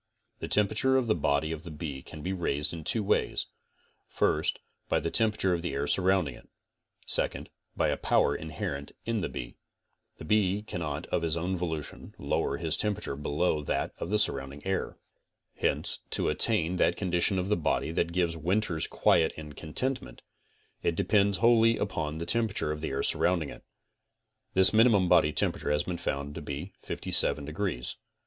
The tmperature of the bodyof the bee can be raised in two ways; first, by the tem perature of the air surrounding it; second, by a power, inherrent in the bee. The bee cannot of his own volition lower his tem perature below that of the surrounding air, hence, to attain that *U, S. Farmers Bulletin, 695. 36 CONSTRUCTIVE BEEKEEPING condition of body that gives winter's quiet and contentment, it depends wholly upon the temperature of the air surrounding it. This minimum body temperautre has been found to be 57 degrees.